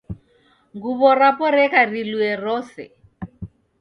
Nguw'o rapo reka rilue rose.